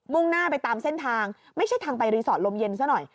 ่งหน้าไปตามเส้นทางไม่ใช่ทางไปรีสอร์ทลมเย็นซะหน่อย